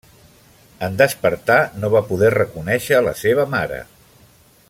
En despertar, no va poder reconèixer la seva mare.